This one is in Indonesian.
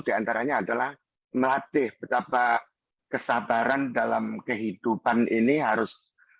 diantaranya adalah melatih betapa kesabaran dalam kehidupan ini harus